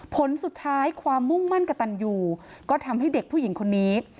ผลสุดท้ายความมุ่งมั่นกระตันยูก็ทำให้เด็กผู้หญิงคนนี้